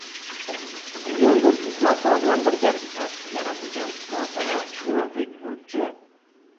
Yulduz Ismatova bilan birgalikda yaratilgan “Nodira”, “Ulug’bek burji”